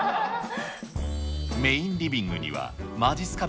メインリビングにはまじっすか